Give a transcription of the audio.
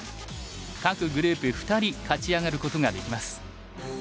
各グループ２人勝ち上がることができます。